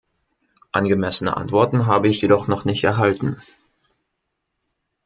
Angemessene Antworten habe ich jedoch noch nicht erhalten.